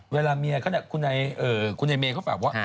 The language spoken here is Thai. เวลาเมียเขาเนี่ยคุณไอ้เมย์เขาฝากว่า